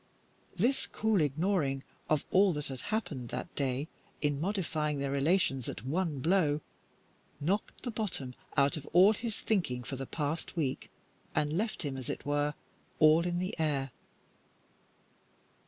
This cool ignoring of all that had happened that day in modifying their relations at one blow knocked the bottom out of all his thinking for the past week, and left him, as it were, all in the air.